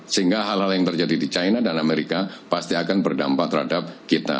sehingga hal hal yang terjadi di china dan amerika pasti akan berdampak terhadap kita